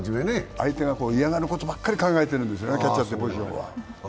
相手が嫌がることばっかり考えてるんですよね、キャッチャーってのは。